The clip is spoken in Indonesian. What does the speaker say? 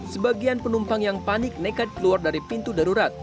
sebagian penumpang yang panik nekat keluar dari pintu darurat